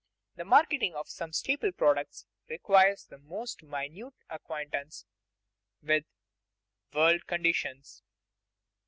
The marketing of some staple products requires the most minute acquaintance with world conditions.